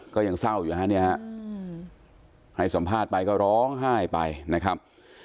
ก็ยังเศร้าอยู่ฮะเนี่ยฮะให้สัมภาษณ์ไปก็ร้องไห้ไปนะครับ